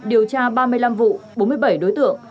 điều tra ba mươi năm vụ bốn mươi bảy đối tượng